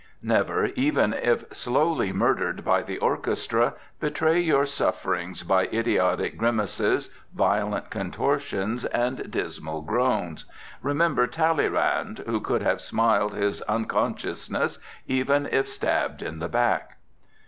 Never, even if slowly murdered by the orchestra, betray your sufferings by idiotic grimaces, violent contortions and dismal groans. Remember Talleyrand, who could have smiled his unconsciousness even if stabbed in the back.